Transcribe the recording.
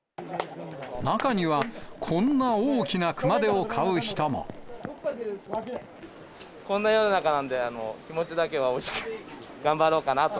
中には、こんな大きな熊手をこんな世の中なんで、気持ちだけは大きく頑張ろうかなと。